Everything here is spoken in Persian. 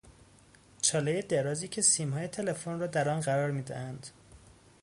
چالهی درازی که سیمهای تلفن را در آن قرار میدهند